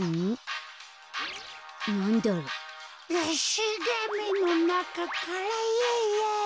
しげみのなかからイエイイエイ。